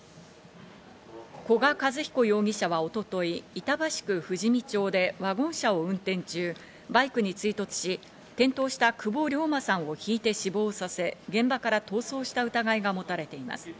古賀和彦容疑者は一昨日、板橋区富士見町でワゴン車を運転中バイクに追突し、転倒した久保龍馬さんをひいて死亡させ、現場から逃走した疑いが持たれています。